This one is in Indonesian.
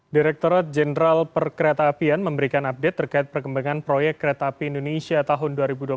direkturat jenderal perkereta apian memberikan update terkait perkembangan proyek kereta api indonesia tahun dua ribu dua puluh satu